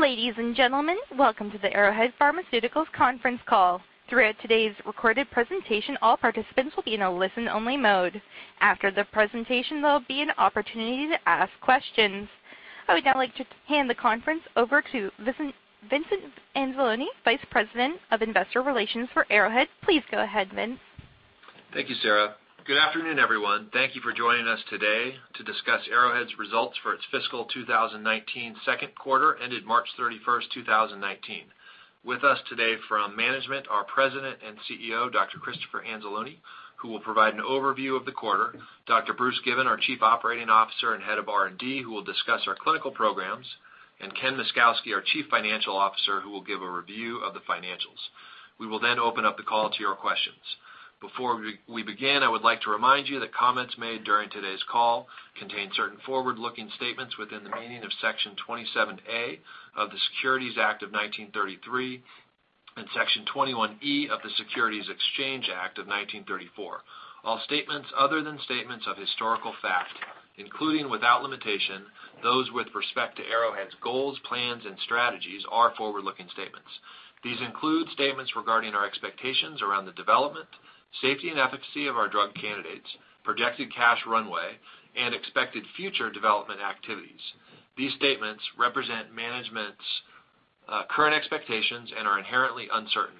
Ladies and gentlemen, welcome to the Arrowhead Pharmaceuticals conference call. Throughout today's recorded presentation, all participants will be in a listen-only mode. After the presentation, there'll be an opportunity to ask questions. I would now like to hand the conference over to Vincent Anzalone, Vice President of Investor Relations for Arrowhead. Please go ahead, Vincent. Thank you, Sarah. Good afternoon, everyone. Thank you for joining us today to discuss Arrowhead's results for its fiscal 2019 second quarter ended March 31st, 2019. With us today from management, our President and CEO, Dr. Christopher Anzalone, who will provide an overview of the quarter, Dr. Bruce Given, our Chief Operating Officer and Head of R&D, who will discuss our clinical programs, Ken Myszkowski, our Chief Financial Officer, who will give a review of the financials. We will open up the call to your questions. Before we begin, I would like to remind you that comments made during today's call contain certain forward-looking statements within the meaning of Section 27A of the Securities Act of 1933 and Section 21E of the Securities Exchange Act of 1934. All statements other than statements of historical fact, including, without limitation, those with respect to Arrowhead's goals, plans, and strategies are forward-looking statements. These include statements regarding our expectations around the development, safety, and efficacy of our drug candidates, projected cash runway, and expected future development activities. These statements represent management's current expectations and are inherently uncertain.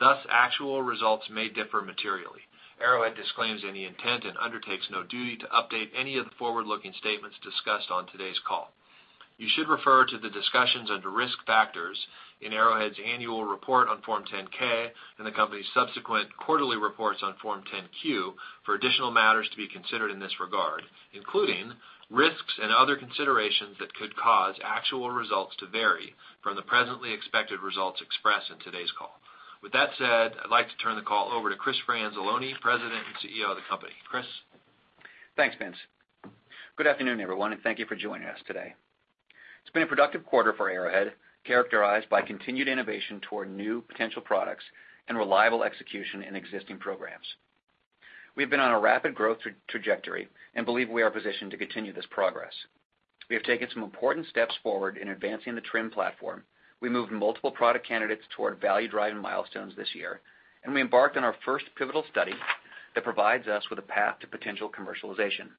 Thus, actual results may differ materially. Arrowhead disclaims any intent and undertakes no duty to update any of the forward-looking statements discussed on today's call. You should refer to the discussions under Risk Factors in Arrowhead's annual report on Form 10-K and the company's subsequent quarterly reports on Form 10-Q for additional matters to be considered in this regard, including risks and other considerations that could cause actual results to vary from the presently expected results expressed in today's call. With that said, I'd like to turn the call over to Christopher Anzalone, President and CEO of the company. Chris? Thanks, Vincent. Good afternoon, everyone, thank you for joining us today. It's been a productive quarter for Arrowhead, characterized by continued innovation toward new potential products and reliable execution in existing programs. We've been on a rapid growth trajectory and believe we are positioned to continue this progress. We have taken some important steps forward in advancing the TRiM platform. We moved multiple product candidates toward value-driving milestones this year, we embarked on our first pivotal study that provides us with a path to potential commercialization.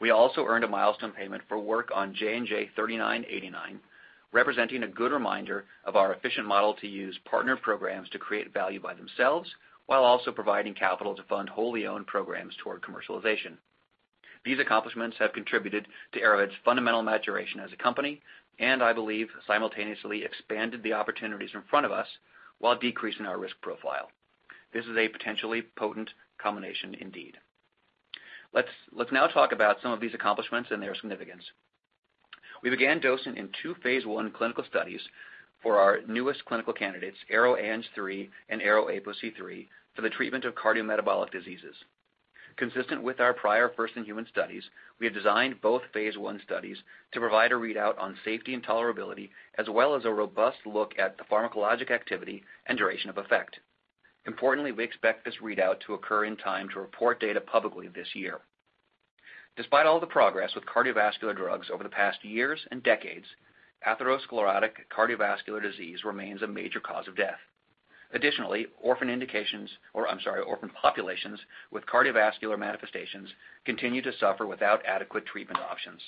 We also earned a milestone payment for work on JNJ-3989, representing a good reminder of our efficient model to use partner programs to create value by themselves while also providing capital to fund wholly owned programs toward commercialization. These accomplishments have contributed to Arrowhead's fundamental maturation as a company, I believe simultaneously expanded the opportunities in front of us while decreasing our risk profile. This is a potentially potent combination indeed. Let's now talk about some of these accomplishments and their significance. We began dosing in two phase I clinical studies for our newest clinical candidates, ARO-ANG3 and ARO-APOC3 for the treatment of cardiometabolic diseases. Consistent with our prior first-in-human studies, we have designed both phase I studies to provide a readout on safety and tolerability, as well as a robust look at the pharmacologic activity and duration of effect. Importantly, we expect this readout to occur in time to report data publicly this year. Despite all the progress with cardiovascular drugs over the past years and decades, atherosclerotic cardiovascular disease remains a major cause of death. Additionally, orphan populations with cardiovascular manifestations continue to suffer without adequate treatment options.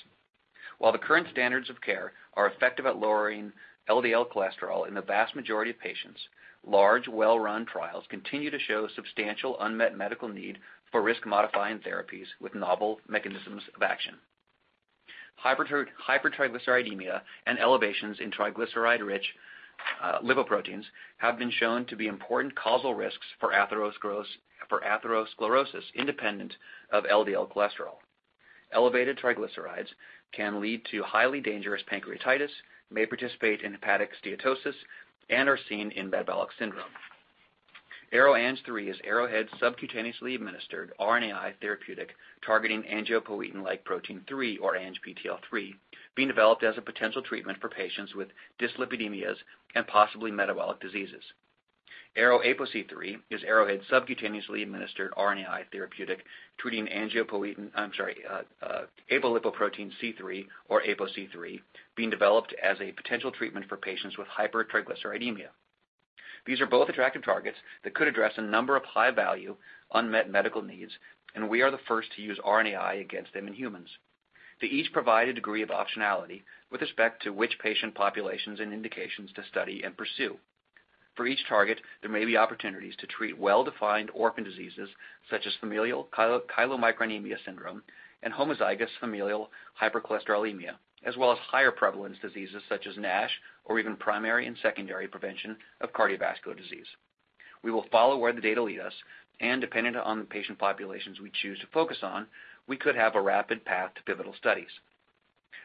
While the current standards of care are effective at lowering LDL cholesterol in the vast majority of patients, large well-run trials continue to show substantial unmet medical need for risk-modifying therapies with novel mechanisms of action. Hypertriglyceridemia and elevations in triglyceride-rich lipoproteins have been shown to be important causal risks for atherosclerosis, independent of LDL cholesterol. Elevated triglycerides can lead to highly dangerous pancreatitis, may participate in hepatic steatosis, are seen in metabolic syndrome. ARO-ANG3 is Arrowhead's subcutaneously administered RNAi therapeutic targeting angiopoietin-like protein 3 or ANGPTL3, being developed as a potential treatment for patients with dyslipidemias and possibly metabolic diseases. ARO-APOC3 is Arrowhead's subcutaneously administered RNAi therapeutic treating apolipoprotein C-III or APOC3, being developed as a potential treatment for patients with hypertriglyceridemia. These are both attractive targets that could address a number of high-value unmet medical needs, we are the first to use RNAi against them in humans. They each provide a degree of optionality with respect to which patient populations and indications to study and pursue. For each target, there may be opportunities to treat well-defined orphan diseases such as familial chylomicronemia syndrome and homozygous familial hypercholesterolemia, as well as higher prevalence diseases such as NASH even primary and secondary prevention of cardiovascular disease. We will follow where the data lead us, depending on the patient populations we choose to focus on, we could have a rapid path to pivotal studies.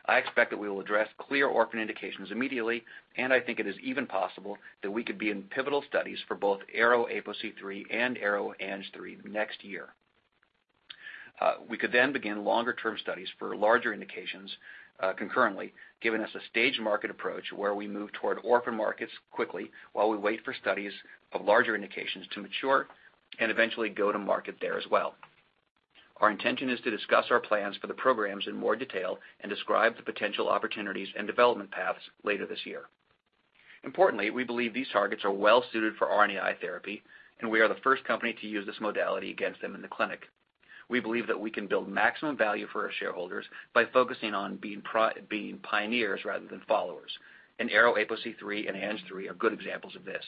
I expect that we will address clear orphan indications immediately, I think it is even possible that we could be in pivotal studies for both ARO-APOC3 and ARO-ANG3 next year. We could then begin longer-term studies for larger indications concurrently, giving us a staged market approach where we move toward orphan markets quickly while we wait for studies of larger indications to mature and eventually go to market there as well. Our intention is to discuss our plans for the programs in more detail and describe the potential opportunities and development paths later this year. Importantly, we believe these targets are well suited for RNAi therapy, and we are the first company to use this modality against them in the clinic. We believe that we can build maximum value for our shareholders by focusing on being pioneers rather than followers. ARO-APOC3 and ARO-ANG3 are good examples of this.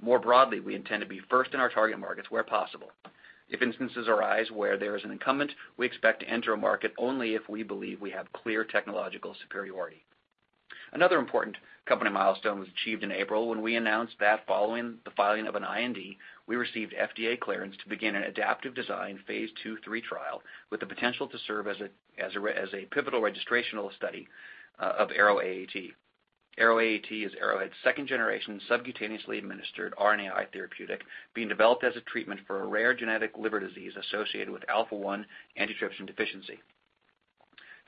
More broadly, we intend to be first in our target markets where possible. If instances arise where there is an incumbent, we expect to enter a market only if we believe we have clear technological superiority. Another important company milestone was achieved in April when we announced that following the filing of an IND, we received FDA clearance to begin an adaptive design phase II/III trial with the potential to serve as a pivotal registrational study of ARO-AAT. ARO-AAT is Arrowhead's second-generation subcutaneously administered RNAi therapeutic being developed as a treatment for a rare genetic liver disease associated with alpha-1 antitrypsin deficiency.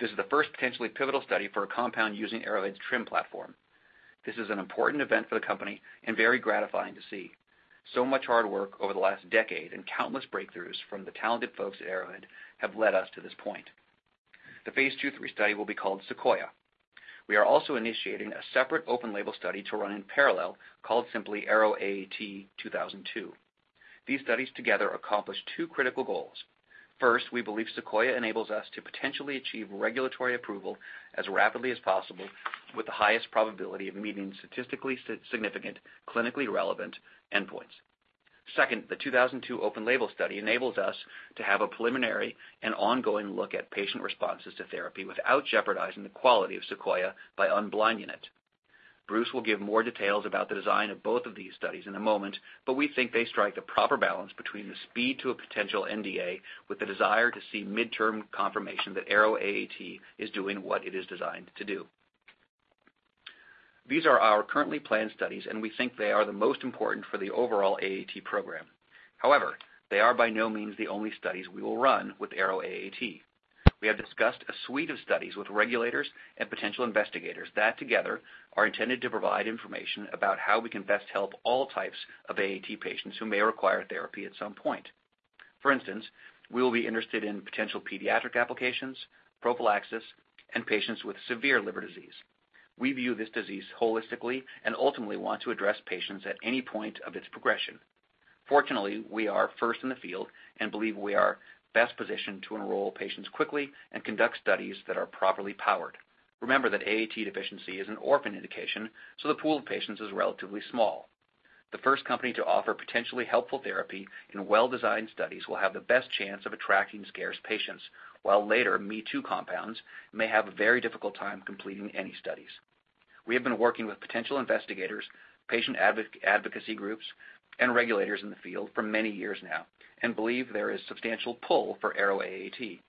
This is the first potentially pivotal study for a compound using Arrowhead's TRiM platform. This is an important event for the company and very gratifying to see. So much hard work over the last decade and countless breakthroughs from the talented folks at Arrowhead have led us to this point. The phase II/III study will be called SEQUOIA. We are also initiating a separate open label study to run in parallel, called simply AROAAT2002. These studies together accomplish two critical goals. First, we believe SEQUOIA enables us to potentially achieve regulatory approval as rapidly as possible with the highest probability of meeting statistically significant, clinically relevant endpoints. Second, the 2002 open label study enables us to have a preliminary and ongoing look at patient responses to therapy without jeopardizing the quality of SEQUOIA by unblinding it. Bruce will give more details about the design of both of these studies in a moment, but we think they strike the proper balance between the speed to a potential NDA with the desire to see midterm confirmation that ARO-AAT is doing what it is designed to do. These are our currently planned studies, and we think they are the most important for the overall AAT program. They are by no means the only studies we will run with ARO-AAT. We have discussed a suite of studies with regulators and potential investigators that together are intended to provide information about how we can best help all types of AAT patients who may require therapy at some point. For instance, we will be interested in potential pediatric applications, prophylaxis, and patients with severe liver disease. We view this disease holistically and ultimately want to address patients at any point of its progression. Fortunately, we are first in the field and believe we are best positioned to enroll patients quickly and conduct studies that are properly powered. Remember that AAT deficiency is an orphan indication, so the pool of patients is relatively small. The first company to offer potentially helpful therapy in well-designed studies will have the best chance of attracting scarce patients, while later me-too compounds may have a very difficult time completing any studies. We have been working with potential investigators, patient advocacy groups, and regulators in the field for many years now and believe there is substantial pull for ARO-AAT.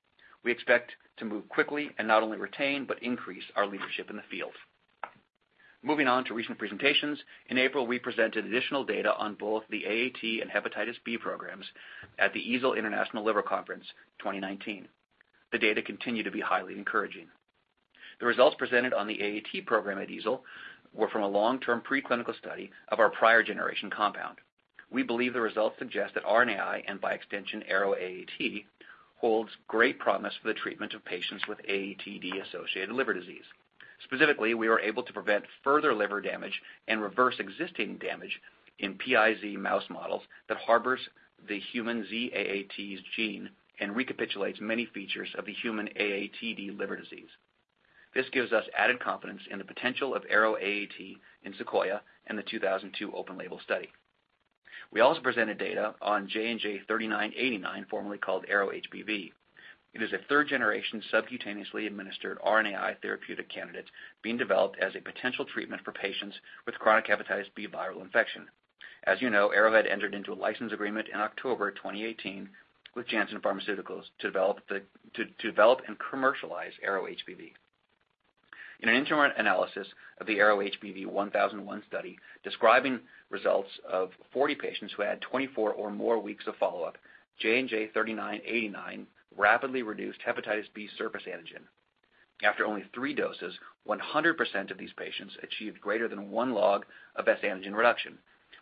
We expect to move quickly and not only retain but increase our leadership in the field. Moving on to recent presentations. In April, we presented additional data on both the AAT and Hepatitis B programs at the EASL International Liver Conference 2019. The data continue to be highly encouraging. The results presented on the AAT program at EASL were from a long-term preclinical study of our prior generation compound. We believe the results suggest that RNAi and by extension ARO-AAT holds great promise for the treatment of patients with AATD-associated liver disease. Specifically, we are able to prevent further liver damage and reverse existing damage in PiZ mouse models that harbors the human ZAAT gene and recapitulates many features of the human AATD liver disease. This gives us added confidence in the potential of ARO-AAT in SEQUOIA and the 2002 open-label study. We also presented data on JNJ-3989, formerly called ARO-HBV. It is a third-generation subcutaneously administered RNAi therapeutic candidate being developed as a potential treatment for patients with chronic Hepatitis B viral infection. As you know, Arrowhead entered into a license agreement in October 2018 with Janssen Pharmaceuticals to develop and commercialize ARO-HBV. In an interim analysis of the ARO-HBV1001 study describing results of 40 patients who had 24 or more weeks of follow-up, JNJ-3989 rapidly reduced Hepatitis B surface antigen. After only three doses, 100% of these patients achieved greater than one log of S antigen reduction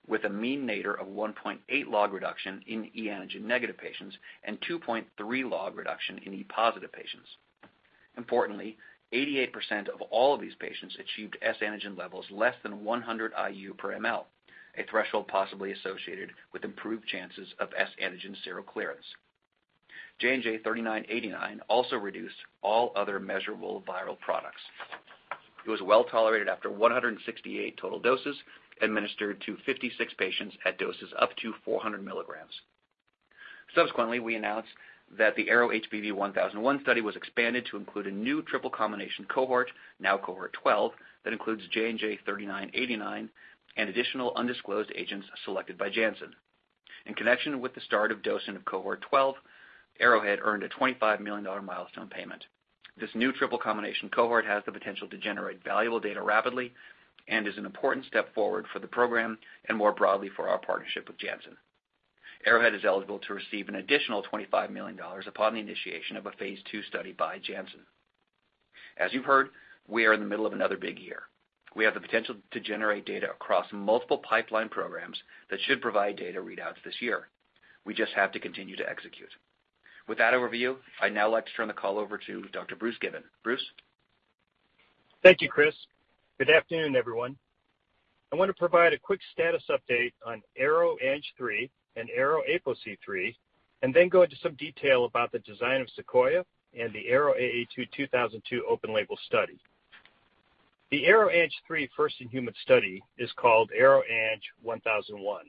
with a mean NATR of 1.8 log reduction in e antigen negative patients and 2.3 log reduction in e positive patients. Importantly, 88% of all of these patients achieved S antigen levels less than 100 IU/mL, a threshold possibly associated with improved chances of S antigen seroclearance. JNJ-3989 also reduced all other measurable viral products. It was well-tolerated after 168 total doses administered to 56 patients at doses up to 400 milligrams. Subsequently, we announced that the ARO-HBV1001 study was expanded to include a new triple combination cohort, now cohort 12, that includes JNJ-3989 and additional undisclosed agents selected by Janssen. In connection with the start of dosing of cohort 12, Arrowhead earned a $25 million milestone payment. This new triple combination cohort has the potential to generate valuable data rapidly and is an important step forward for the program and more broadly for our partnership with Janssen. Arrowhead is eligible to receive an additional $25 million upon the initiation of a phase II study by Janssen. As you've heard, we are in the middle of another big year. We have the potential to generate data across multiple pipeline programs that should provide data readouts this year. We just have to continue to execute. With that overview, I'd now like to turn the call over to Dr. Bruce Given. Bruce? Thank you, Chris. Good afternoon, everyone. I want to provide a quick status update on ARO-ANG3 and ARO-APOC3, then go into some detail about the design of SEQUOIA and the AROAAT2002 open label study. The ARO-ANG3 first-in-human study is called AROANG3-1001.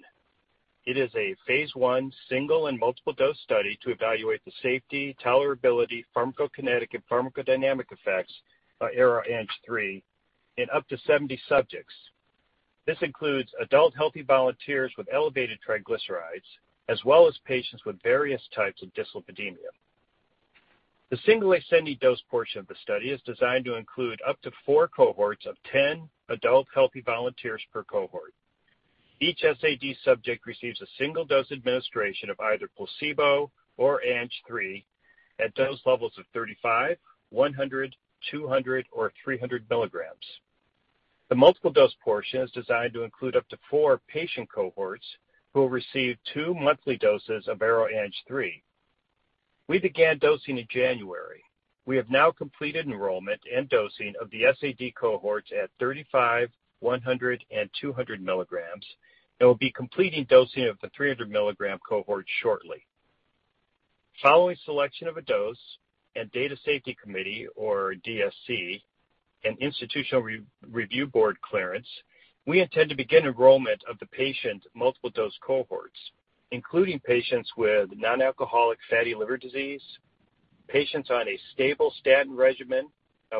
It is a phase I single and multiple dose study to evaluate the safety, tolerability, pharmacokinetic and pharmacodynamic effects of ARO-ANG3 in up to 70 subjects. This includes adult healthy volunteers with elevated triglycerides, as well as patients with various types of dyslipidemia. The single ascending-dose portion of the study is designed to include up to four cohorts of 10 adult healthy volunteers per cohort. Each SAD subject receives a single dose administration of either placebo or ANG3 at dose levels of 35, 100, 200, or 300 milligrams. The multiple-dose portion is designed to include up to four patient cohorts who will receive two monthly doses of ARO-ANG3. We began dosing in January. We have now completed enrollment and dosing of the SAD cohorts at 35, 100, and 200 milligrams and will be completing dosing of the 300 milligram cohort shortly. Following selection of a dose and Data Safety Committee, or DSC, and Institutional Review Board clearance, we intend to begin enrollment of the patient multiple-dose cohorts, including patients with nonalcoholic fatty liver disease, patients on a stable statin regimen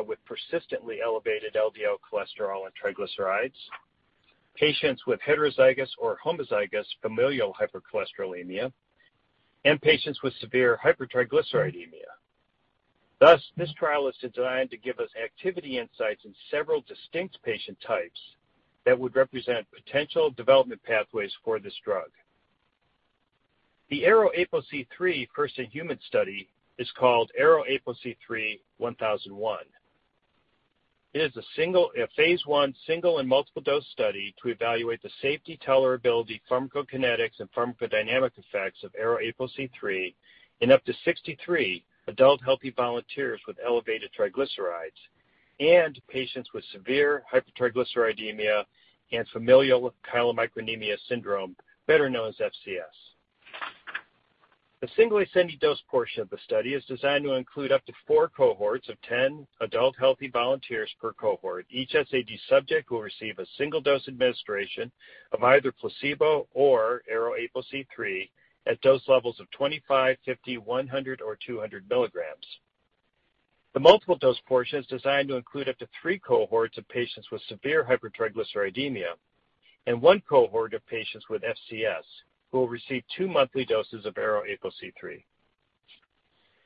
with persistently elevated LDL cholesterol and triglycerides, patients with heterozygous or homozygous familial hypercholesterolemia, and patients with severe hypertriglyceridemia. Thus, this trial is designed to give us activity insights in several distinct patient types that would represent potential development pathways for this drug. The ARO-APOC3 first-in-human study is called AROAPOC3-1001. It is a phase I single and multiple dose study to evaluate the safety, tolerability, pharmacokinetics, and pharmacodynamic effects of ARO-APOC3 in up to 63 adult healthy volunteers with elevated triglycerides and patients with severe hypertriglyceridemia and familial chylomicronemia syndrome, better known as FCS. The single ascending dose portion of the study is designed to include up to four cohorts of 10 adult healthy volunteers per cohort. Each SAD subject will receive a single dose administration of either placebo or ARO-APOC3 at dose levels of 25, 50, 100, or 200 milligrams. The multiple dose portion is designed to include up to three cohorts of patients with severe hypertriglyceridemia and one cohort of patients with FCS who will receive two monthly doses of ARO-APOC3.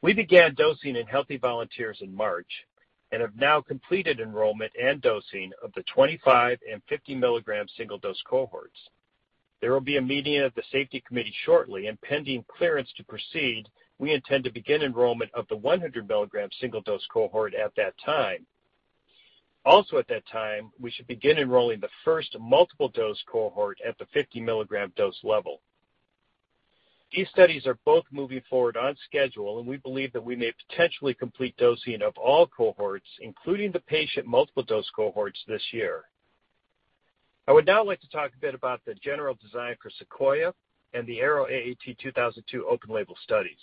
We began dosing in healthy volunteers in March and have now completed enrollment and dosing of the 25 and 50 milligram single dose cohorts. There will be a meeting of the safety committee shortly. Pending clearance to proceed, we intend to begin enrollment of the 100 milligram single dose cohort at that time. Also at that time, we should begin enrolling the first multiple dose cohort at the 50 milligram dose level. These studies are both moving forward on schedule, and we believe that we may potentially complete dosing of all cohorts, including the patient multiple dose cohorts, this year. I would now like to talk a bit about the general design for SEQUOIA and the AROAAT2002 open label studies.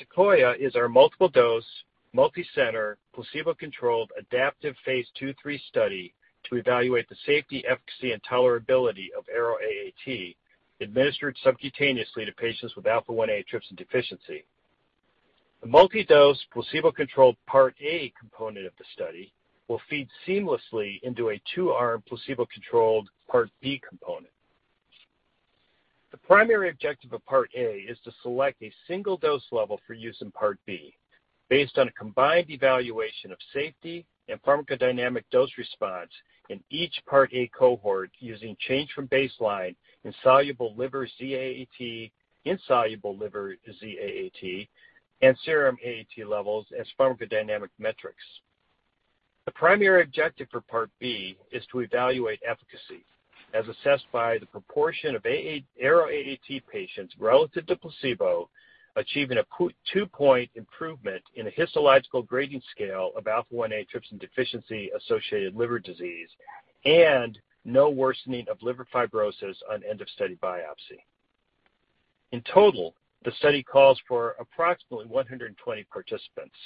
SEQUOIA is our multiple dose, multi-center, placebo-controlled, adaptive phase II-III study to evaluate the safety, efficacy, and tolerability of ARO-AAT administered subcutaneously to patients with alpha-1 antitrypsin deficiency. The multi-dose placebo-controlled part A component of the study will feed seamlessly into a two-arm placebo-controlled part B component. The primary objective of part A is to select a single dose level for use in part B based on a combined evaluation of safety and pharmacodynamic dose response in each part A cohort, using change from baseline in soluble liver ZAAT, insoluble liver ZAAT, and serum AAT levels as pharmacodynamic metrics. The primary objective for part B is to evaluate efficacy, as assessed by the proportion of ARO-AAT patients relative to placebo, achieving a two-point improvement in a histological grading scale of alpha-1 antitrypsin deficiency associated liver disease and no worsening of liver fibrosis on end of study biopsy. In total, the study calls for approximately 120 participants.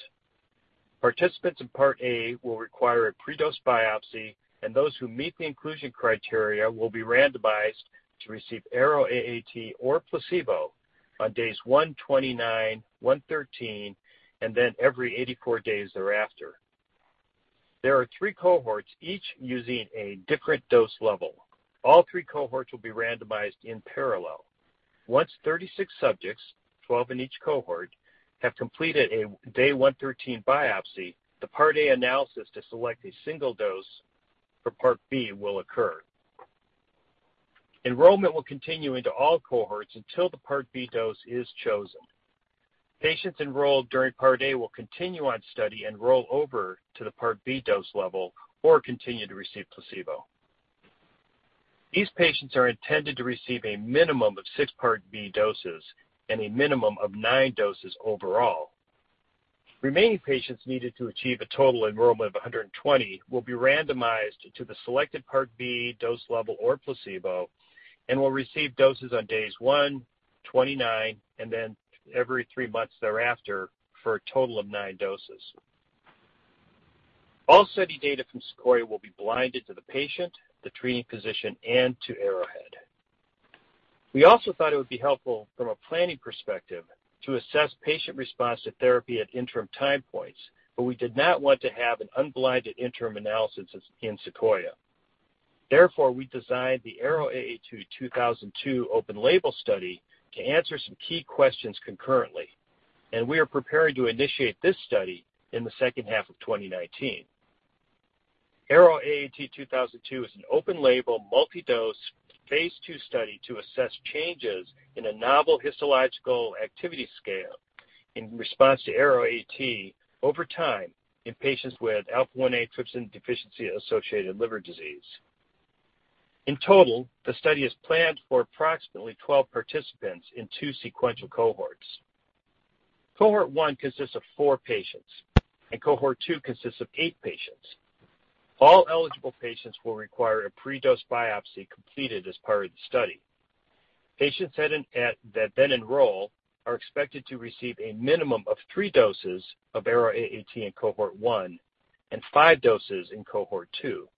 Participants in part A will require a pre-dose biopsy, and those who meet the inclusion criteria will be randomized to receive ARO-AAT or placebo on days 129, 113, and then every 84 days thereafter. There are three cohorts, each using a different dose level. All three cohorts will be randomized in parallel. Once 36 subjects, 12 in each cohort, have completed a day 113 biopsy, the part A analysis to select a single dose for part B will occur. Enrollment will continue into all cohorts until the Part B dose is chosen. Patients enrolled during Part A will continue on study enroll over to the Part B dose level or continue to receive placebo. These patients are intended to receive a minimum of six Part B doses and a minimum of nine doses overall. Remaining patients needed to achieve a total enrollment of 120 will be randomized to the selected Part B dose level or placebo and will receive doses on days one, 29, and then every three months thereafter for a total of nine doses. All study data from SEQUOIA will be blinded to the patient, the treating physician, and to Arrowhead. We also thought it would be helpful from a planning perspective to assess patient response to therapy at interim time points, but we did not want to have an unblinded interim analysis in SEQUOIA. Therefore, we designed the ARO-AAT-2002 open label study to answer some key questions concurrently, and we are preparing to initiate this study in the second half of 2019. ARO-AAT-2002 is an open label, multi-dose, phase II study to assess changes in a novel histological activity scale in response to ARO-AAT over time in patients with alpha-1 antitrypsin deficiency associated liver disease. In total, the study is planned for approximately 12 participants in two sequential cohorts. Cohort one consists of four patients, and cohort two consists of eight patients. All eligible patients will require a pre-dose biopsy completed as part of the study. Patients that then enroll are expected to receive a minimum of three doses of ARO-AAT in cohort one and five doses in cohort two,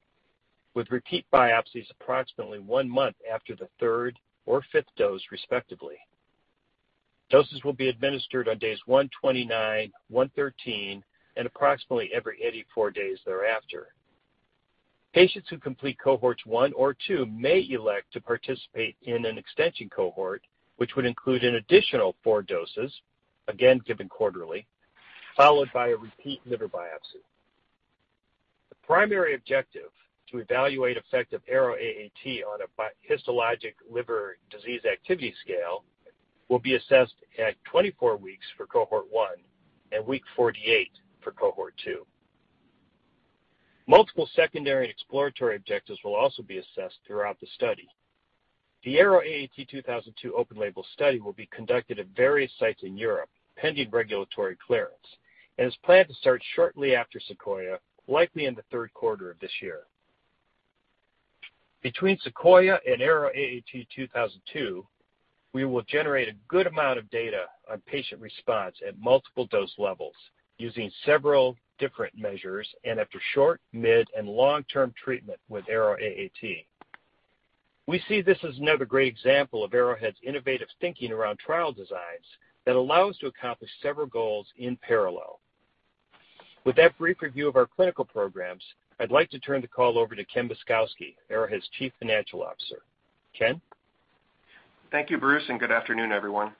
with repeat biopsies approximately one month after the third or fifth dose respectively. Doses will be administered on days 129, 113, and approximately every 84 days thereafter. Patients who complete cohorts one or two may elect to participate in an extension cohort, which would include an additional four doses, again given quarterly, followed by a repeat liver biopsy. The primary objective to evaluate effect of ARO-AAT on a histologic liver disease activity scale will be assessed at 24 weeks for cohort one and week 48 for cohort two. Multiple secondary and exploratory objectives will also be assessed throughout the study. The AROAAT2002 open-label study will be conducted at various sites in Europe, pending regulatory clearance, and is planned to start shortly after SEQUOIA, likely in the third quarter of this year. Between SEQUOIA and AROAAT2002, we will generate a good amount of data on patient response at multiple dose levels using several different measures and after short, mid, and long-term treatment with ARO-AAT. We see this as another great example of Arrowhead's innovative thinking around trial designs that allow us to accomplish several goals in parallel. With that brief review of our clinical programs, I'd like to turn the call over to Ken Myszkowski, Arrowhead's Chief Financial Officer. Ken? Thank you, Bruce, and good afternoon, everyone.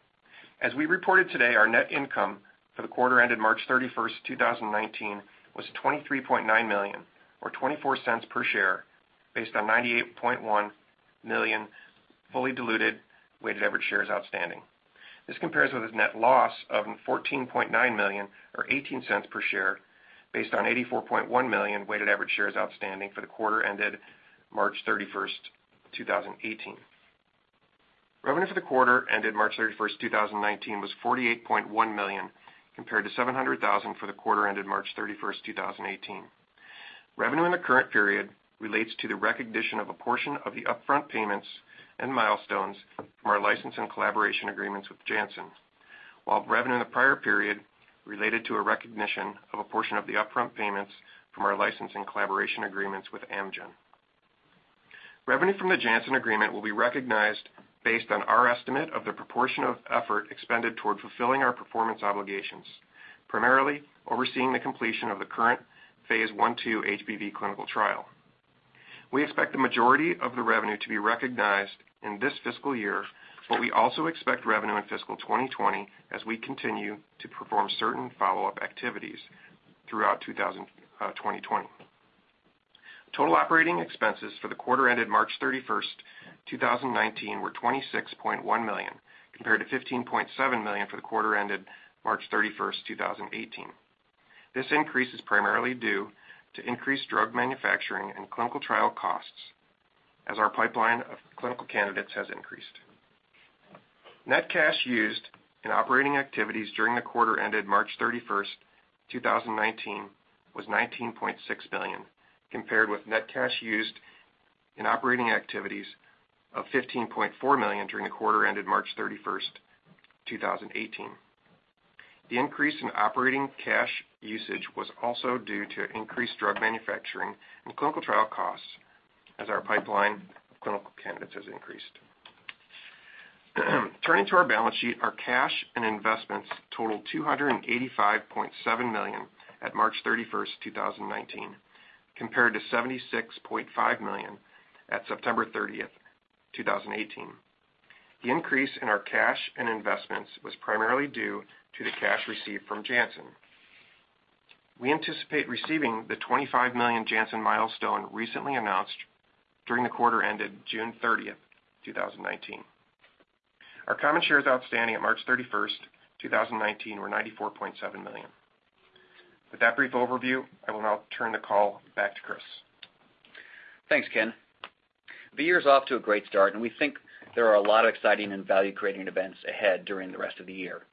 As we reported today, our net income for the quarter ended March 31, 2019, was $23.9 million, or $0.24 per share, based on 98.1 million fully diluted weighted average shares outstanding. This compares with a net loss of $14.9 million or $0.18 per share based on 84.1 million weighted average shares outstanding for the quarter ended March 31, 2018. Revenue for the quarter ended March 31, 2019, was $48.1 million, compared to $700,000 for the quarter ended March 31, 2018. Revenue in the current period relates to the recognition of a portion of the upfront payments and milestones from our license and collaboration agreements with Janssen. While revenue in the prior period related to a recognition of a portion of the upfront payments from our license and collaboration agreements with Amgen. Revenue from the Janssen agreement will be recognized based on our estimate of the proportion of effort expended toward fulfilling our performance obligations, primarily overseeing the completion of the current phase I/II HBV clinical trial. We expect the majority of the revenue to be recognized in this fiscal year, but we also expect revenue in fiscal 2020 as we continue to perform certain follow-up activities throughout 2020. Total operating expenses for the quarter ended March 31, 2019, were $26.1 million, compared to $15.7 million for the quarter ended March 31, 2018. This increase is primarily due to increased drug manufacturing and clinical trial costs as our pipeline of clinical candidates has increased. Net cash used in operating activities during the quarter ended March 31, 2019, was $19.6 million, compared with net cash used in operating activities of $15.4 million during the quarter ended March 31, 2018. The increase in operating cash usage was also due to increased drug manufacturing and clinical trial costs as our pipeline of clinical candidates has increased. Turning to our balance sheet, our cash and investments totaled $285.7 million at March 31, 2019, compared to $76.5 million at September 30, 2018. The increase in our cash and investments was primarily due to the cash received from Janssen. We anticipate receiving the $25 million Janssen milestone recently announced during the quarter ended June 30, 2019. Our common shares outstanding at March 31, 2019 were 94.7 million. With that brief overview, I will now turn the call back to Chris. Thanks, Ken. The year's off to a great start. We think there are a lot of exciting and value-creating events ahead during the rest of the year.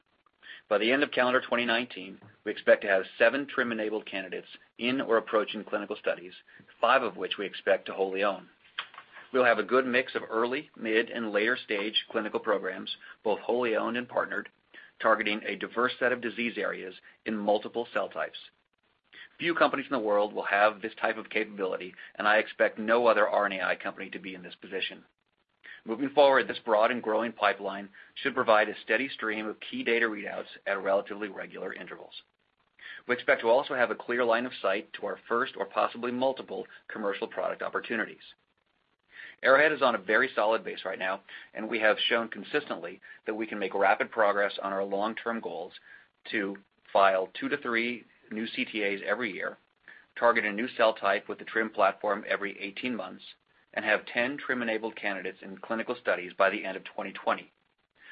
By the end of calendar 2019, we expect to have seven TRiM-enabled candidates in or approaching clinical studies, five of which we expect to wholly own. We'll have a good mix of early, mid, and later-stage clinical programs, both wholly owned and partnered, targeting a diverse set of disease areas in multiple cell types. Few companies in the world will have this type of capability. I expect no other RNAi company to be in this position. Moving forward, this broad and growing pipeline should provide a steady stream of key data readouts at relatively regular intervals. We expect to also have a clear line of sight to our first or possibly multiple commercial product opportunities. Arrowhead is on a very solid base right now. We have shown consistently that we can make rapid progress on our long-term goals to file two to three new CTAs every year, target a new cell type with the TRiM platform every 18 months, and have 10 TRiM-enabled candidates in clinical studies by the end of 2020.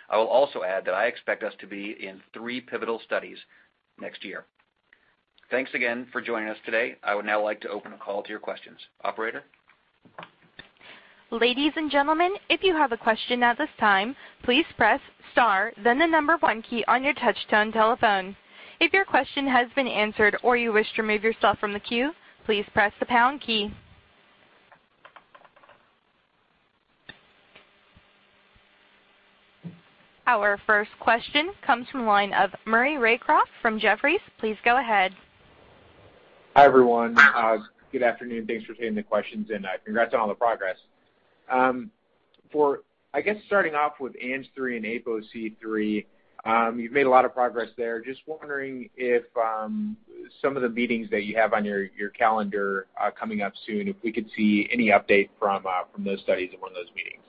I will also add that I expect us to be in three pivotal studies next year. Thanks again for joining us today. I would now like to open the call to your questions. Operator? Ladies and gentlemen, if you have a question at this time, please press star, then the number one key on your touch-tone telephone. If your question has been answered or you wish to remove yourself from the queue, please press the pound key. Our first question comes from the line of Maury Raycroft from Jefferies. Please go ahead. Hi, everyone. Good afternoon. Thanks for taking the questions. Congrats on all the progress. I guess starting off with ANGPTL3 and APOC3, you've made a lot of progress there. Just wondering if some of the meetings that you have on your calendar coming up soon, if we could see any update from those studies in one of those meetings.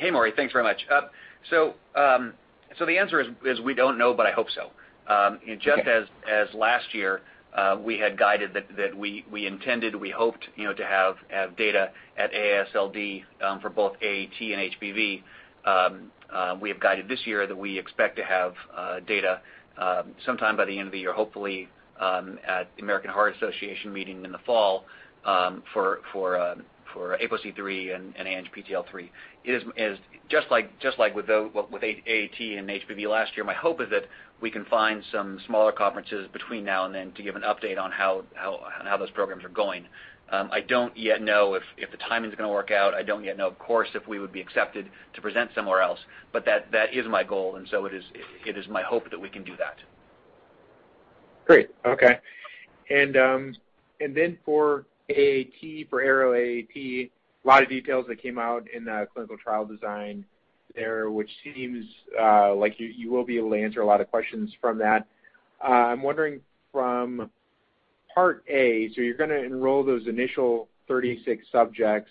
Hey, Maury. Thanks very much. The answer is we don't know, but I hope so. Okay. Just as last year, we had guided that we intended, we hoped to have data at AASLD for both AAT and HBV. We have guided this year that we expect to have data sometime by the end of the year, hopefully at the American Heart Association meeting in the fall for APOC3 and ANGPTL3. Just like with AAT and HBV last year, my hope is that we can find some smaller conferences between now and then to give an update on how those programs are going. I don't yet know if the timing's going to work out. I don't yet know, of course, if we would be accepted to present somewhere else, but that is my goal. It is my hope that we can do that. Great. Okay. For AAT, for ARO-AAT, a lot of details that came out in the clinical trial design there, which seems like you will be able to answer a lot of questions from that. I'm wondering from Part A, you're going to enroll those initial 36 subjects.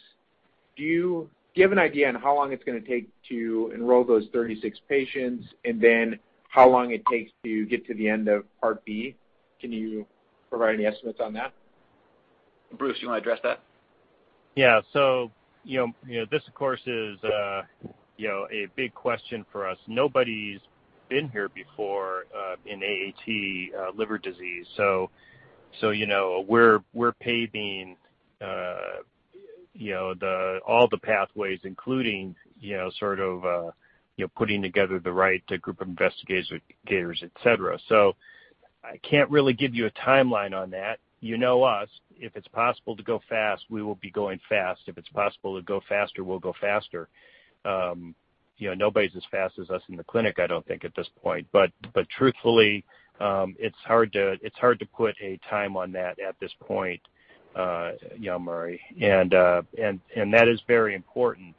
Do you have an idea on how long it's going to take to enroll those 36 patients, and then how long it takes to get to the end of Part B? Can you provide any estimates on that? Bruce, you want to address that? Yeah. This, of course, is a big question for us. Nobody's been here before in AAT liver disease. We're paving all the pathways, including putting together the right group of investigators, et cetera. I can't really give you a timeline on that. You know us. If it's possible to go fast, we will be going fast. If it's possible to go faster, we'll go faster. Nobody's as fast as us in the clinic, I don't think, at this point. Truthfully, it's hard to put a time on that at this point, Maury, and that is very important.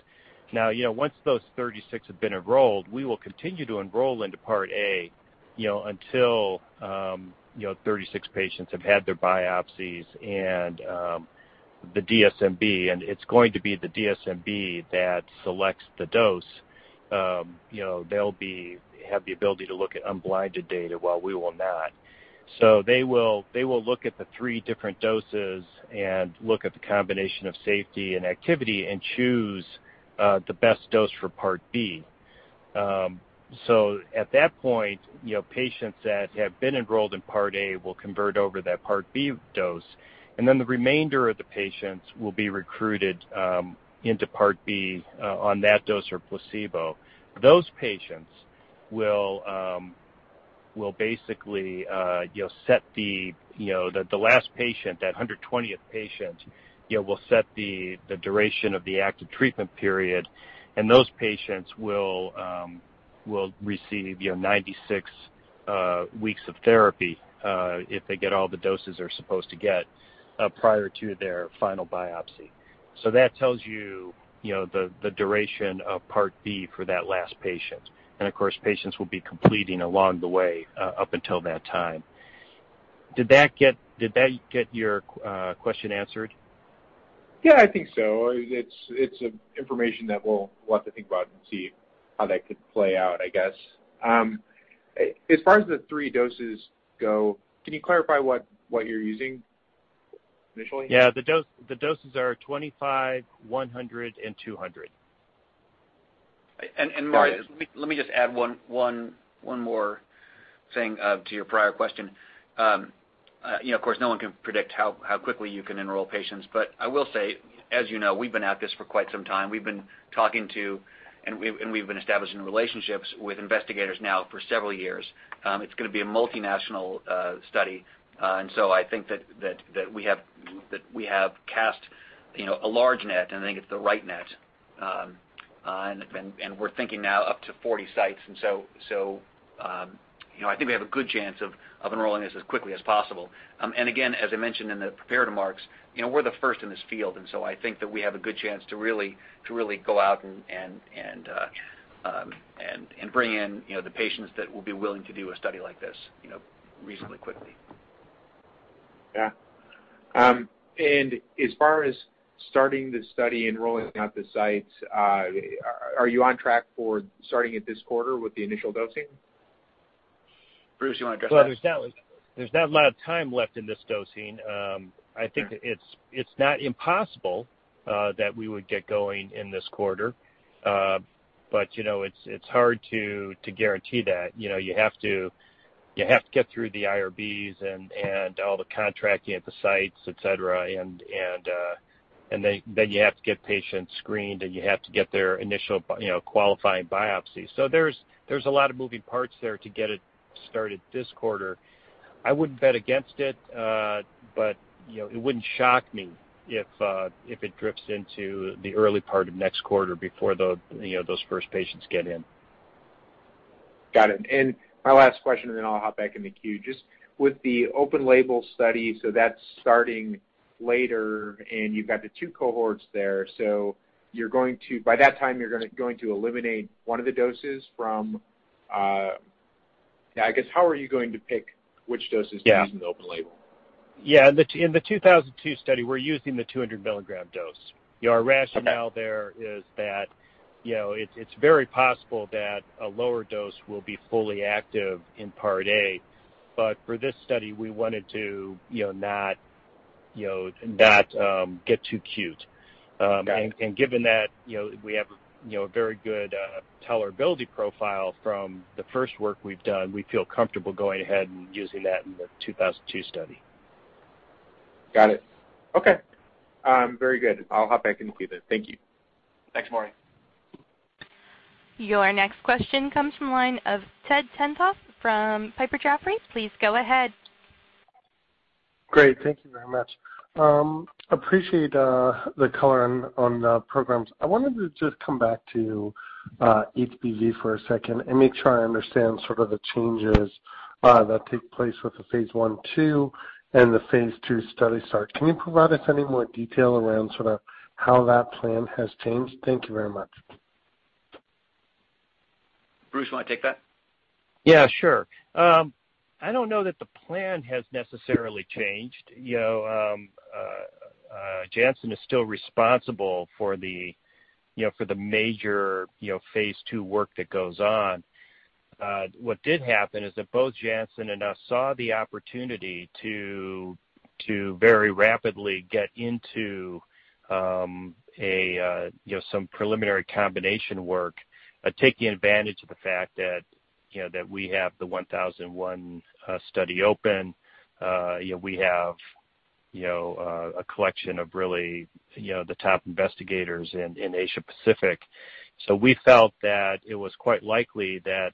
Once those 36 have been enrolled, we will continue to enroll into Part A until 36 patients have had their biopsies and the DSMB. It's going to be the DSMB that selects the dose. They'll have the ability to look at unblinded data while we will not. They will look at the three different doses and look at the combination of safety and activity and choose the best dose for Part B. At that point, patients that have been enrolled in Part A will convert over to that Part B dose. The remainder of the patients will be recruited into Part B on that dose or placebo. Those patients will basically set the last patient. That 120th patient will set the duration of the active treatment period. Those patients will receive 96 weeks of therapy, if they get all the doses they're supposed to get prior to their final biopsy. That tells you the duration of Part B for that last patient. Of course, patients will be completing along the way up until that time. Did that get your question answered? Yeah, I think so. It's information that we'll want to think about and see how that could play out, I guess. As far as the three doses go, can you clarify what you're using initially? Yeah. The doses are 25, 100, and 200. Maury, let me just add one more thing to your prior question. Of course, no one can predict how quickly you can enroll patients. I will say, as you know, we've been at this for quite some time. We've been talking to, and we've been establishing relationships with investigators now for several years. It's going to be a multinational study. I think that we have cast a large net, and I think it's the right net. We're thinking now up to 40 sites. I think we have a good chance of enrolling as quickly as possible. Again, as I mentioned in the prepared remarks, we're the first in this field, and so I think that we have a good chance to really go out and bring in the patients that will be willing to do a study like this reasonably quickly. Yeah. As far as starting the study, enrolling out the sites, are you on track for starting it this quarter with the initial dosing? Bruce, you want to address that? Well, there's not a lot of time left in this dosing. Sure. I think it's not impossible that we would get going in this quarter. It's hard to guarantee that. You have to get through the IRBs and all the contracting at the sites, et cetera. Then you have to get patients screened, and you have to get their initial qualifying biopsy. There's a lot of moving parts there to get it started this quarter. I wouldn't bet against it, but it wouldn't shock me if it drifts into the early part of next quarter before those first patients get in. Got it. My last question, then I'll hop back in the queue. Just with the open label study, that's starting later and you've got the two cohorts there. By that time, you're going to eliminate one of the doses from I guess, how are you going to pick which doses to use? Yeah in the open label? Yeah. In the 2002 study, we're using the 200 milligram dose. Our rationale there is that it's very possible that a lower dose will be fully active in Part A. For this study, we wanted to not get too cute. Got it. Given that we have a very good tolerability profile from the first work we've done, we feel comfortable going ahead and using that in the 2002 study. Got it. Okay. Very good. I'll hop back in the queue then. Thank you. Thanks, Maury. Your next question comes from the line of Ted Tenthoff from Piper Jaffray. Please go ahead. Great. Thank you very much. Appreciate the color on the programs. I wanted to just come back to HBV for a second and make sure I understand sort of the changes that take place with the phase I/II and the phase II study start. Can you provide us any more detail around sort of how that plan has changed? Thank you very much. Bruce, you want to take that? Yeah, sure. I don't know that the plan has necessarily changed. Janssen is still responsible for the major phase II work that goes on. What did happen is that both Janssen and us saw the opportunity to very rapidly get into some preliminary combination work, taking advantage of the fact that we have the 1001 study open. We have a collection of really the top investigators in Asia Pacific. We felt that it was quite likely that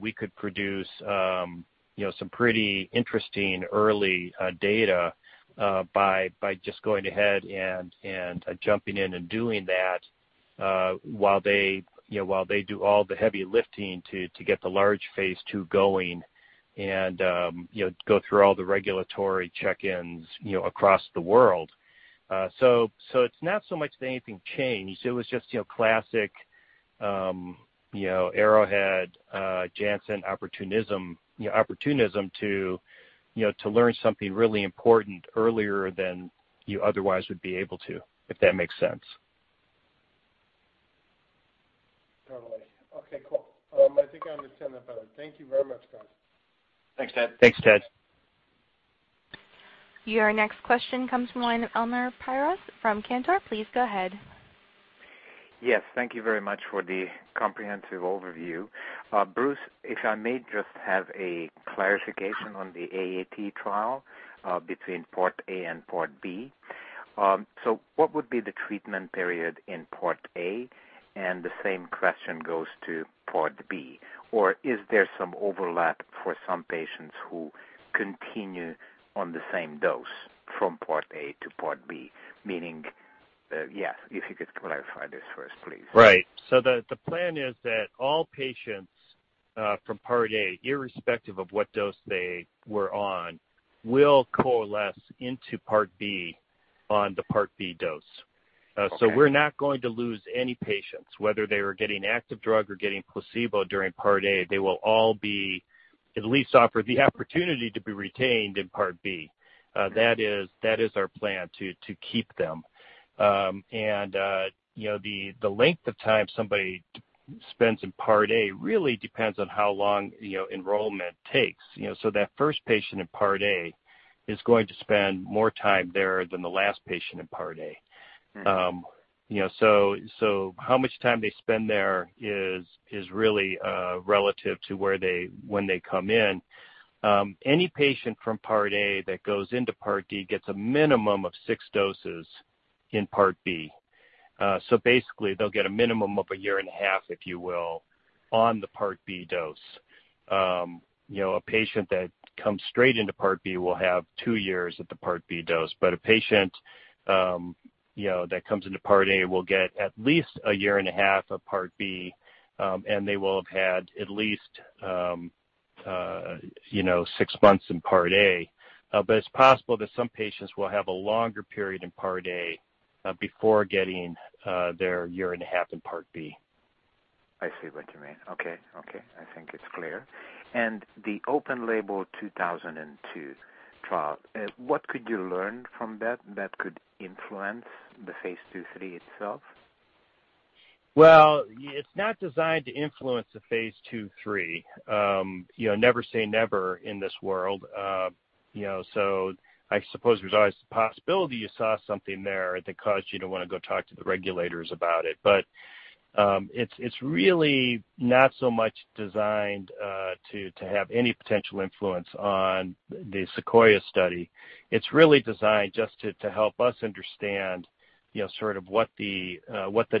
we could produce some pretty interesting early data by just going ahead and jumping in and doing that, while they do all the heavy lifting to get the large phase II going and go through all the regulatory check-ins across the world. It's not so much that anything changed. It was just classic Arrowhead, Janssen opportunism to learn something really important earlier than you otherwise would be able to, if that makes sense. Totally. Okay, cool. I think I understand that better. Thank you very much, guys. Thanks, Ted. Thanks, Ted. Your next question comes from the line of Elemer Piros from Cantor. Please go ahead. Yes. Thank you very much for the comprehensive overview. Bruce, if I may just have a clarification on the AAT trial between Part A and Part B. What would be the treatment period in Part A, and the same question goes to Part B. Is there some overlap for some patients who continue on the same dose from Part A to Part B? Meaning, if you could clarify this first, please. Right. The plan is that all patients from Part A, irrespective of what dose they were on, will coalesce into Part B on the Part B dose. So we're not going to lose any patients, whether they are getting active drug or getting placebo during Part A. They will all be at least offered the opportunity to be retained in Part B. That is our plan, to keep them. The length of time somebody spends in Part A really depends on how long enrollment takes. That first patient in Part A is going to spend more time there than the last patient in Part A. Right. How much time they spend there is really relative to when they come in. Any patient from Part A that goes into Part B gets a minimum of six doses in Part B. Basically, they'll get a minimum of a year and a half, if you will, on the Part B dose. A patient that comes straight into Part B will have two years at the Part B dose. A patient that comes into Part A will get at least a year and a half of Part B, and they will have had at least six months in Part A. It's possible that some patients will have a longer period in Part A before getting their year and a half in Part B. I see what you mean. Okay. I think it's clear. The open label 2002 trial, what could you learn from that could influence the phase II/III itself? It's not designed to influence the phase II/III. Never say never in this world. I suppose there's always the possibility you saw something there that caused you to want to go talk to the regulators about it. It's really not so much designed to have any potential influence on the SEQUOIA study. It's really designed just to help us understand sort of what the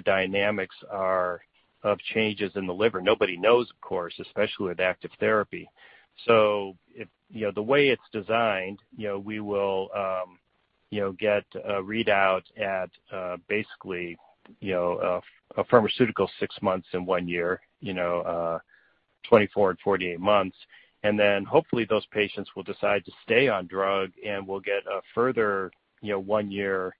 dynamics are of changes in the liver. Nobody knows, of course, especially with active therapy. The way it's designed, we will get a readout at basically a pharmaceutical six months and one year, 24 and 48 months, and then hopefully those patients will decide to stay on drug and we'll get a further one year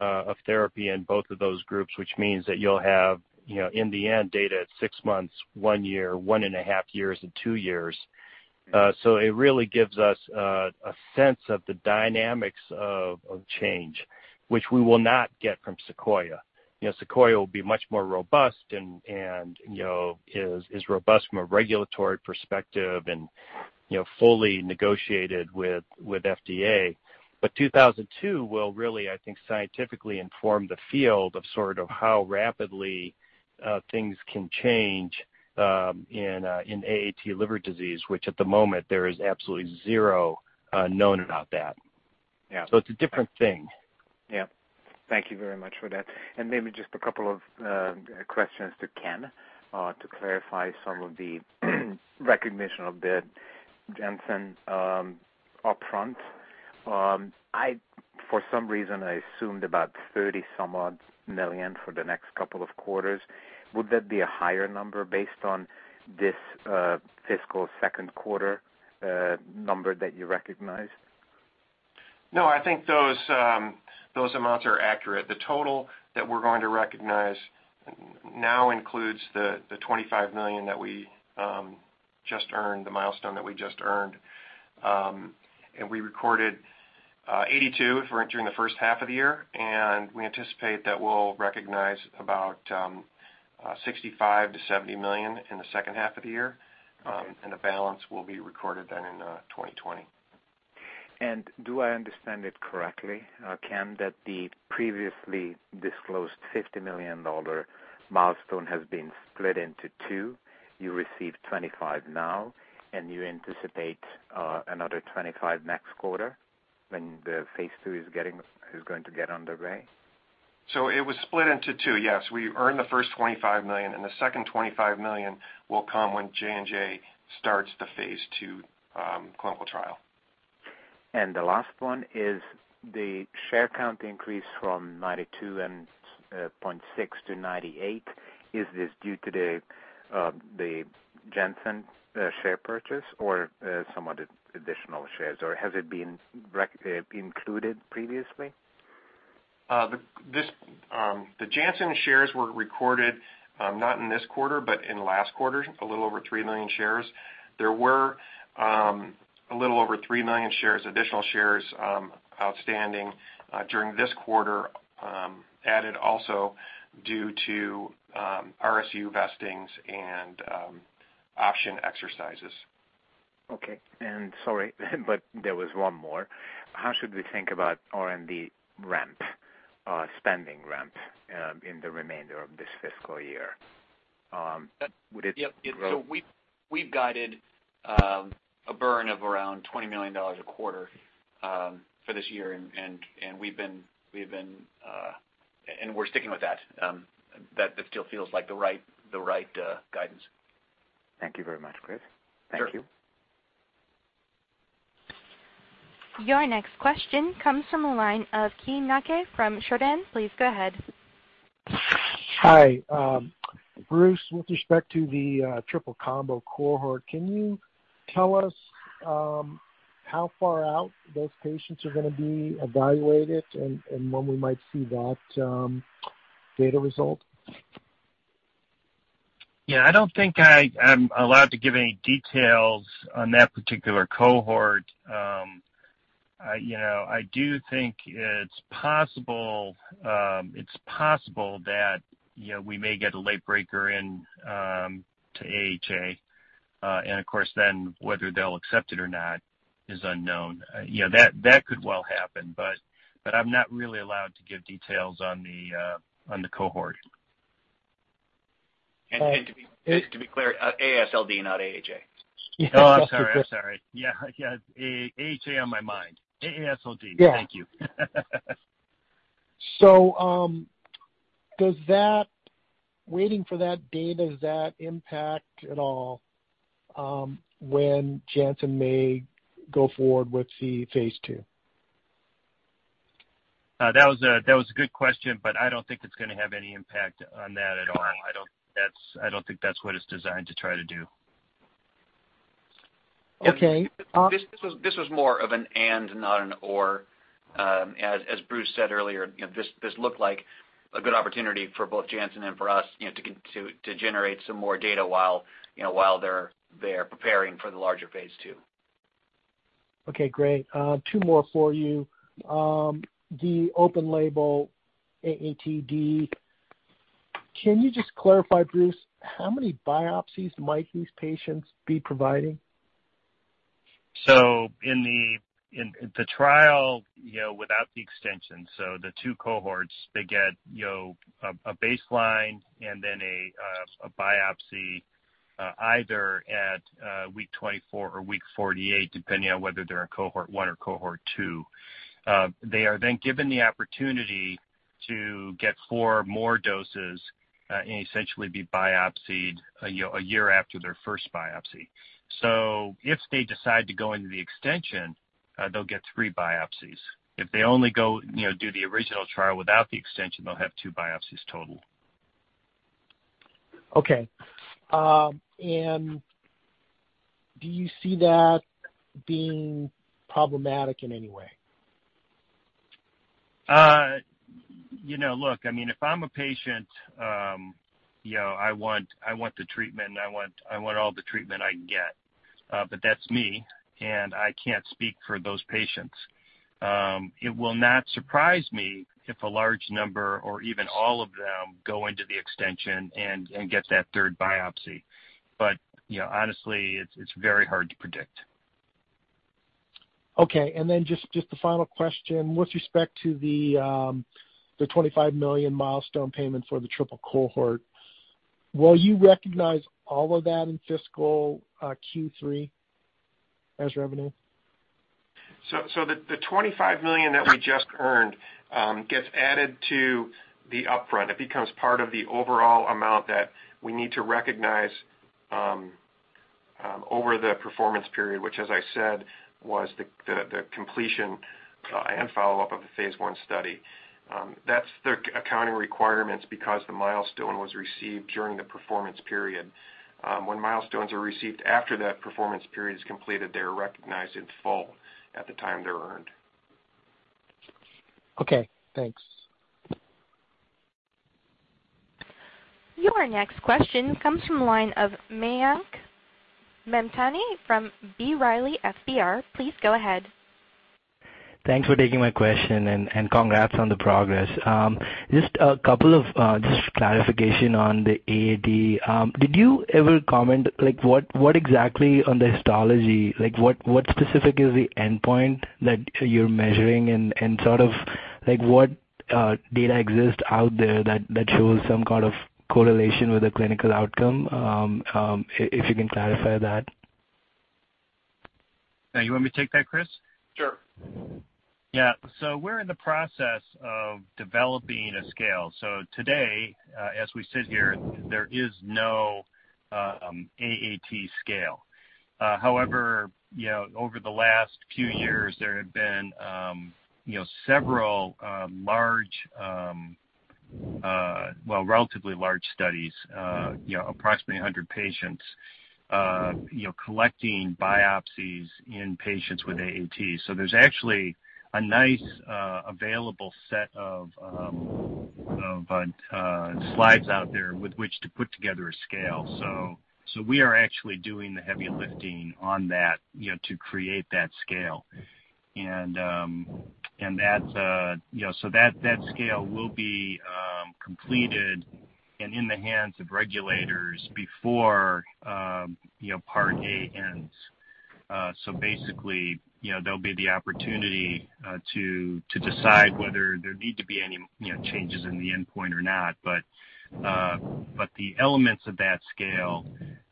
of therapy in both of those groups, which means that you'll have, in the end, data at six months, one year, one and a half years, and two years. It really gives us a sense of the dynamics of change, which we will not get from SEQUOIA. SEQUOIA will be much more robust and is robust from a regulatory perspective and fully negotiated with FDA. 2002 will really, I think, scientifically inform the field of sort of how rapidly things can change in AAT liver disease, which at the moment there is absolutely zero known about that. Yeah. It's a different thing. Yeah. Thank you very much for that. Maybe just a couple of questions to Ken to clarify some of the recognition of the Janssen upfront. For some reason, I assumed about $30 some odd million for the next couple of quarters. Would that be a higher number based on this fiscal second quarter number that you recognized? No, I think those amounts are accurate. The total that we're going to recognize now includes the $25 million that we just earned, the milestone that we just earned. We recorded $82 during the first half of the year, and we anticipate that we'll recognize about $65 million-$70 million in the second half of the year. Okay. The balance will be recorded then in 2020. Do I understand it correctly, Ken, that the previously disclosed $50 million milestone has been split into two? You received $25 now, and you anticipate another $25 next quarter when the phase II is going to get underway? It was split into two, yes. We earned the first $25 million, and the second $25 million will come when J&J starts the phase II clinical trial. The last one is the share count increase from 92.6 to 98. Is this due to the Janssen share purchase or some other additional shares, or has it been included previously? The Janssen shares were recorded, not in this quarter, but in last quarter, a little over 3 million shares. There were a little over 3 million shares, additional shares outstanding during this quarter added also due to RSU vestings and option exercises. Okay. Sorry, but there was one more. How should we think about R&D ramp, spending ramp, in the remainder of this fiscal year? Would it grow? We've guided a burn of around $20 million a quarter for this year, and we're sticking with that. That still feels like the right guidance. Thank you very much, Chris. Sure. Thank you. Your next question comes from the line of Keaye Nakae from Chardan. Please go ahead. Hi. Bruce, with respect to the triple combo cohort, can you tell us how far out those patients are going to be evaluated and when we might see that data result? Yeah. I don't think I'm allowed to give any details on that particular cohort. I do think it's possible that we may get a late breaker in to AHA, and of course then whether they'll accept it or not is unknown. That could well happen, but I'm not really allowed to give details on the cohort. To be clear, AASLD, not AHA. Oh, I'm sorry. Yeah. I had AHA on my mind. AASLD. Yeah. Thank you. Does waiting for that data, does that impact at all when Janssen may go forward with the phase II? That was a good question, I don't think it's going to have any impact on that at all. I don't think that's what it's designed to try to do. Okay. This was more of an and, not an or. As Bruce said earlier, this looked like a good opportunity for both Janssen and for us to generate some more data while they're preparing for the larger phase II. Okay, great. Two more for you. The open label AATD. Can you just clarify, Bruce, how many biopsies might these patients be providing? In the trial, without the extension, the two cohorts, they get a baseline and then a biopsy, either at week 24 or week 48, depending on whether they're in cohort 1 or cohort 2. They are then given the opportunity to get four more doses, and essentially be biopsied a year after their first biopsy. If they decide to go into the extension, they'll get three biopsies. If they only go do the original trial without the extension, they'll have two biopsies total. Do you see that being problematic in any way? Look, if I'm a patient, I want the treatment, I want all the treatment I can get. That's me, and I can't speak for those patients. It will not surprise me if a large number or even all of them go into the extension and get that third biopsy. Honestly, it's very hard to predict. Okay, just the final question. With respect to the $25 million milestone payment for the triple cohort, will you recognize all of that in fiscal Q3 as revenue? The $25 million that we just earned, gets added to the upfront. It becomes part of the overall amount that we need to recognize over the performance period, which as I said, was the completion and follow-up of the phase I study. That's their accounting requirements because the milestone was received during the performance period. When milestones are received after that performance period is completed, they're recognized in full at the time they're earned. Okay, thanks. Your next question comes from the line of Mayank Mamtani from B. Riley FBR. Please go ahead. Thanks for taking my question and congrats on the progress. Just a couple of clarifications on the AAT. Did you ever comment, like what exactly on the histology, what specific is the endpoint that you're measuring and sort of, what data exists out there that shows some kind of correlation with the clinical outcome? If you can clarify that. You want me to take that, Chris? Sure. Yeah. We're in the process of developing a scale. Today, as we sit here, there is no AAT scale. However, over the last few years, there have been several large, well, relatively large studies, approximately 100 patients, collecting biopsies in patients with AAT. There's actually a nice available set of slides out there with which to put together a scale. We are actually doing the heavy lifting on that to create that scale. That scale will be completed and in the hands of regulators before part A ends. Basically, there'll be the opportunity to decide whether there need to be any changes in the endpoint or not. The elements of that scale,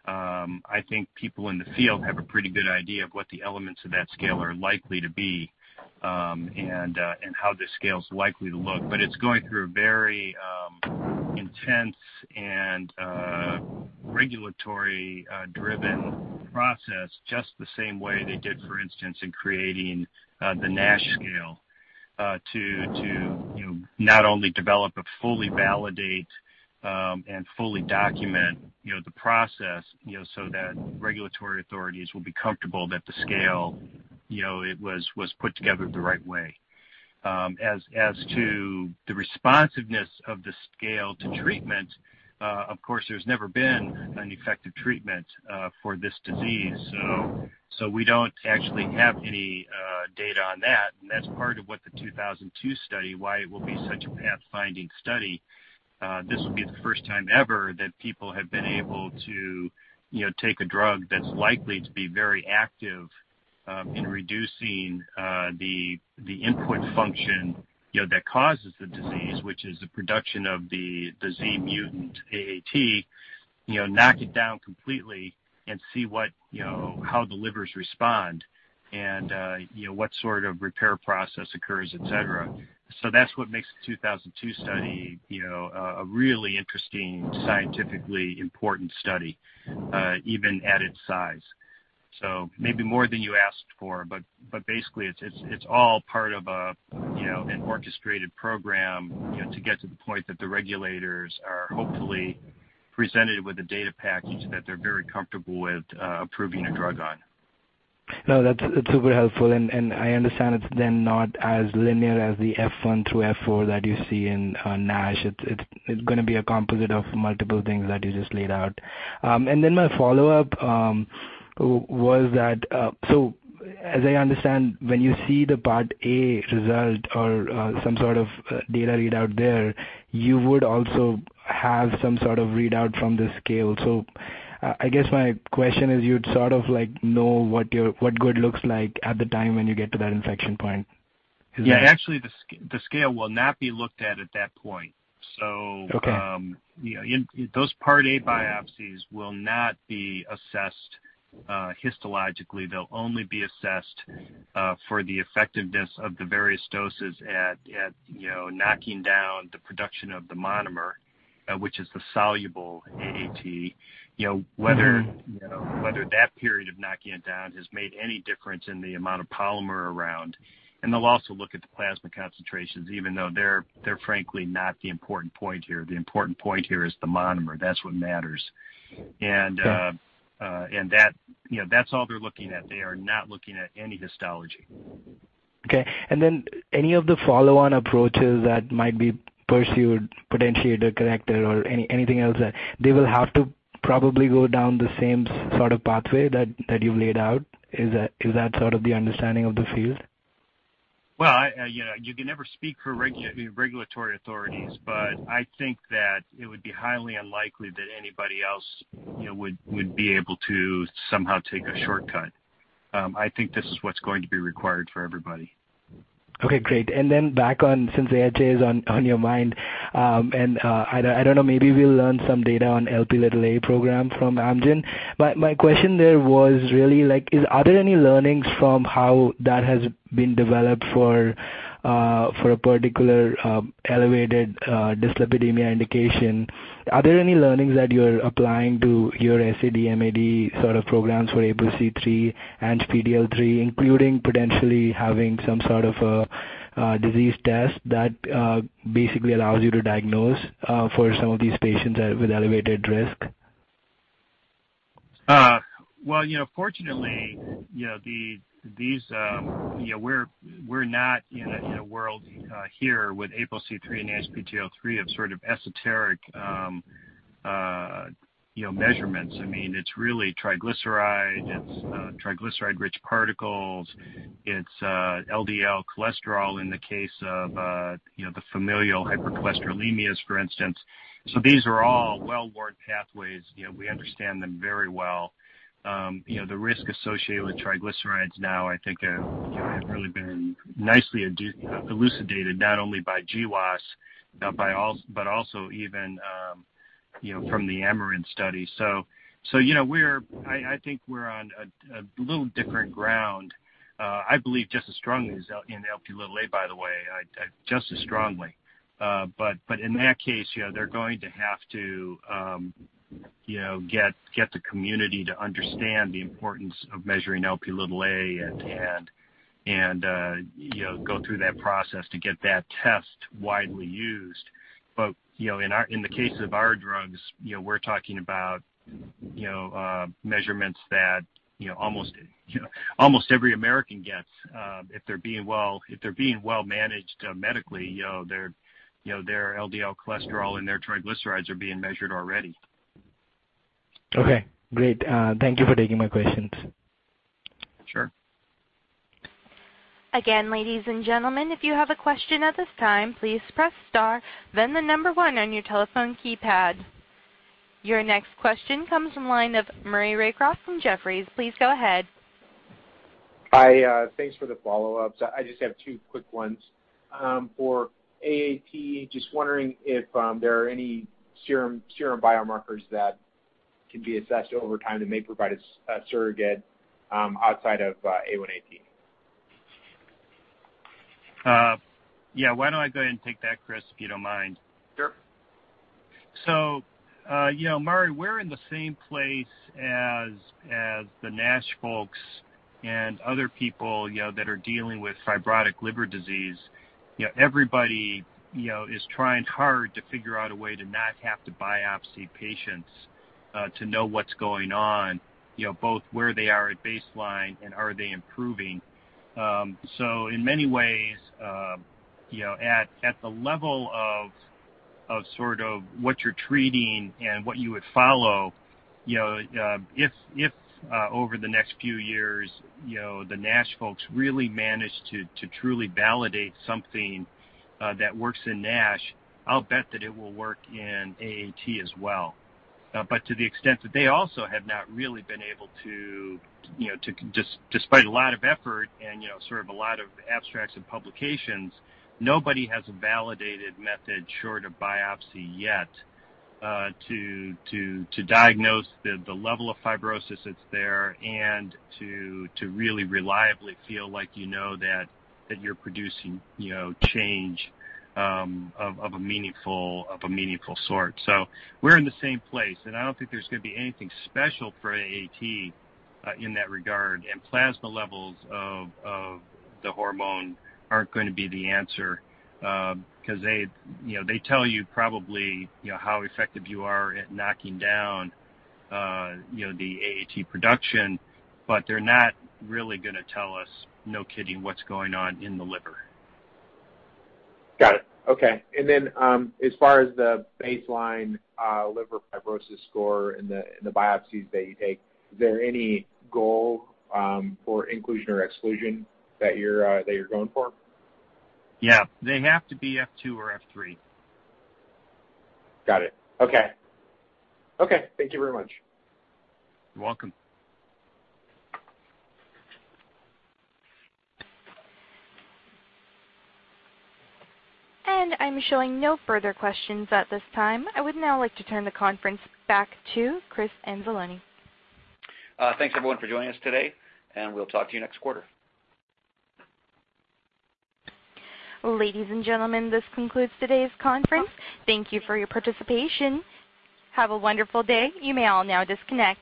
I think people in the field have a pretty good idea of what the elements of that scale are likely to be, and how the scale is likely to look. It's going through a very intense and regulatory driven process, just the same way they did, for instance, in creating the NASH scale, to not only develop but fully validate and fully document the process, so that regulatory authorities will be comfortable that the scale was put together the right way. As to the responsiveness of the scale to treatment, of course, there's never been an effective treatment for this disease. We don't actually have any data on that. That's part of what the 2002 study, why it will be such a pathfinding study. This will be the first time ever that people have been able to take a drug that's likely to be very active in reducing the input function that causes the disease, which is the production of the Z mutant AAT, knock it down completely and see how the livers respond and what sort of repair process occurs, et cetera. That's what makes the 2002 study a really interesting, scientifically important study, even at its size. Maybe more than you asked for, but basically, it's all part of an orchestrated program to get to the point that the regulators are hopefully presented with a data package that they're very comfortable with approving a drug on. No, that's super helpful. I understand it's then not as linear as the F1 through F4 that you see in NASH. It's going to be a composite of multiple things that you just laid out. My follow-up was that, as I understand, when you see the part A result or some sort of data readout there, you would also have some sort of readout from the scale. I guess my question is you'd sort of know what good looks like at the time when you get to that inflection point. Is that? Yeah. Actually, the scale will not be looked at at that point. Okay. Those part A biopsies will not be assessed histologically. They'll only be assessed for the effectiveness of the various doses at knocking down the production of the monomer, which is the soluble AAT. Whether that period of knocking it down has made any difference in the amount of polymer around. They'll also look at the plasma concentrations, even though they're frankly not the important point here. The important point here is the monomer. That's what matters. Okay. That's all they're looking at. They are not looking at any histology. Okay. Any of the follow-on approaches that might be pursued, potentiator, corrector, or anything else that they will have to probably go down the same sort of pathway that you've laid out. Is that sort of the understanding of the field? Well, you can never speak for regulatory authorities, but I think that it would be highly unlikely that anybody else would be able to somehow take a shortcut. I think this is what's going to be required for everybody. Okay, great. Then back on, since AHA is on your mind, I don't know, maybe we'll learn some data on Lp little a program from Amgen. My question there was really are there any learnings from how that has been developed for a particular elevated dyslipidemia indication? Are there any learnings that you're applying to your cardiometabolic sort of programs for APOC3 and ANGPTL3, including potentially having some sort of a disease test that basically allows you to diagnose for some of these patients with elevated risk? Well, fortunately, we're not in a world here with APOC3 and ANGPTL3 of sort of esoteric measurements. It's really triglyceride. It's triglyceride-rich particles. It's LDL cholesterol in the case of the familial hypercholesterolemias, for instance. These are all well-worn pathways. We understand them very well. The risk associated with triglycerides now, I think, have really been nicely elucidated, not only by GWAS, but also even from the REDUCE-IT study. I think we're on a little different ground. I believe just as strongly in Lp little a, by the way. Just as strongly. In that case, they're going to have to get the community to understand the importance of measuring Lp little a and go through that process to get that test widely used. In the case of our drugs, we're talking about measurements that almost every American gets if they're being well managed medically, their LDL cholesterol, and their triglycerides are being measured already. Okay, great. Thank you for taking my questions. Sure. Again, ladies and gentlemen, if you have a question at this time, please press star, then the number 1 on your telephone keypad. Your next question comes from the line of Maury Raycroft from Jefferies. Please go ahead. Hi. Thanks for the follow-ups. I just have two quick ones. For AAT, just wondering if there are any serum biomarkers that can be assessed over time that may provide a surrogate outside of A1AT. Yeah. Why don't I go ahead and take that, Chris, if you don't mind? Sure. Maury, we're in the same place as the NASH folks and other people that are dealing with fibrotic liver disease. Everybody is trying hard to figure out a way to not have to biopsy patients to know what's going on, both where they are at baseline and are they improving. In many ways, at the level of what you're treating and what you would follow, if over the next few years, the NASH folks really manage to truly validate something that works in NASH, I'll bet that it will work in AAT as well. To the extent that they also have not really been able to, despite a lot of effort and a lot of abstracts and publications, nobody has a validated method short of biopsy yet to diagnose the level of fibrosis that's there and to really reliably feel like you know that you're producing change of a meaningful sort. We're in the same place, and I don't think there's going to be anything special for AAT in that regard. Plasma levels of the hormone aren't going to be the answer because they tell you probably how effective you are at knocking down the AAT production, but they're not really going to tell us, no kidding, what's going on in the liver. Got it. Okay. Then, as far as the baseline liver fibrosis score and the biopsies that you take, is there any goal for inclusion or exclusion that you're going for? Yeah. They have to be F2 or F3. Got it. Okay. Thank you very much. You're welcome. I'm showing no further questions at this time. I would now like to turn the conference back to Chris Anzalone. Thanks everyone for joining us today, and we'll talk to you next quarter. Ladies and gentlemen, this concludes today's conference. Thank you for your participation. Have a wonderful day. You may all now disconnect.